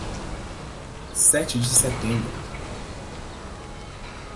Sete de Setembro